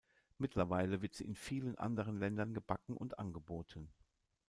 Mittlerweile wird sie in vielen anderen Ländern gebacken und angeboten.